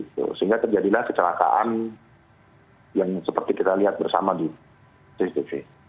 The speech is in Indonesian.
sehingga terjadilah kecelakaan yang seperti kita lihat bersama di cctv